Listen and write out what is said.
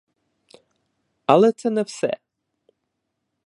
Але це не все!